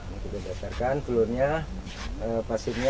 ini bisa kita datarkan telurnya pasirnya